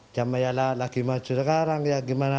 jamban ya lagi maju sekarang ya gimana lagi